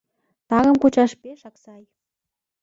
Таҥым кучаш пешак сай